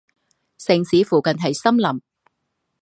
城市附近是森林。